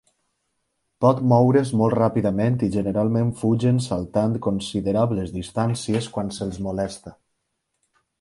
Pot moure's molt ràpidament i generalment fugen saltant considerables distàncies quan se'ls molesta.